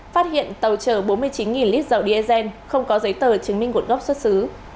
phát hiện tàu chở bốn mươi chín lít dầu diesel không có giấy tờ chứng minh nguồn gốc xuất xứ